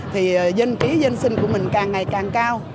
thì dân trí dân sinh của mình càng ngày càng cao